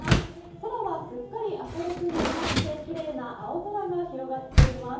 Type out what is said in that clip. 空はすっかり明るくなりましてきれいな青空が広がっています。